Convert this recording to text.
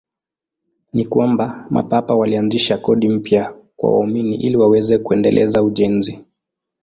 Ni kwamba Mapapa walianzisha kodi mpya kwa waumini ili waweze kuendeleza ujenzi.